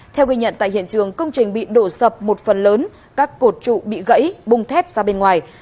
theo ghi nhận tại hiện trường công trình bị đổ sập một phần lớn các cột trụ bị gãy bung thép ra bên ngoài